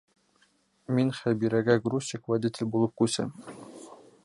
Мин Хәбирәгә грузчик, водитель булып күсәм!